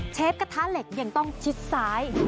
กระทะเหล็กยังต้องชิดซ้าย